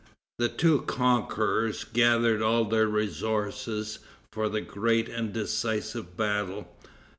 The two conquerors gathered all their resources for the great and decisive battle.